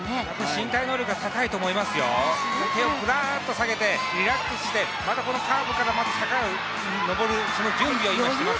身体能力は高いと思いますよ、手をぷらーんと下げてリラックスして、またこのカーブから坂を登る準備をしていますね。